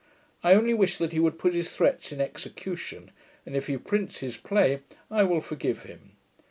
I only wish that he would put his threats in execution, and, if he prints his play, I will forgive him.